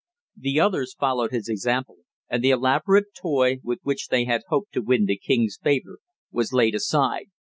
The others followed his example, and the elaborate toy, with which they had hoped to win the king's favor, was laid aside.